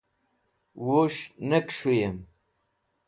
Wus̃h ne kẽs̃hũyẽm